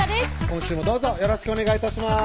今週もどうぞよろしくお願い致します